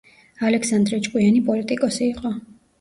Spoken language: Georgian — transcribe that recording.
ალექსანდრე ჭკვიანი პოლიტიკოსი იყო.